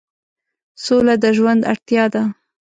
سوله د ژوند اړتیا ده.